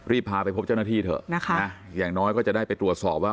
พาไปพบเจ้าหน้าที่เถอะนะคะอย่างน้อยก็จะได้ไปตรวจสอบว่า